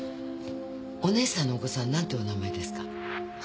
おねえさんのお子さん何てお名前ですか？